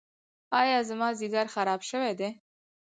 ایا زما ځیګر خراب شوی دی؟